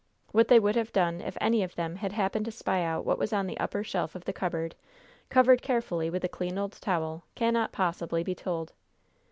What they would have done if any of them had happened to spy out what was on the upper shelf of the cupboard, covered carefully with a clean old towel, cannot possibly be told.